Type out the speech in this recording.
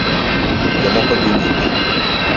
Jomoko dhi nyime